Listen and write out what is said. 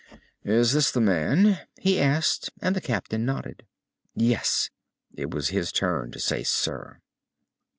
"Is this the man?" he asked, and the captain nodded. "Yes." It was his turn to say Sir.